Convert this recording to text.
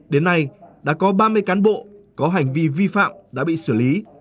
đến nay đã có ba mươi cán bộ có hành vi vi phạm đã bị xử lý